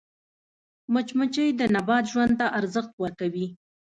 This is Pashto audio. مچمچۍ د نبات ژوند ته ارزښت ورکوي